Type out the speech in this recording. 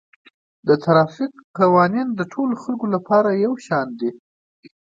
د ټرافیک قوانین د ټولو خلکو لپاره یو شان دي